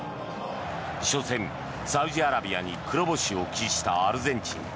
初戦、サウジアラビアに黒星を喫したアルゼンチン。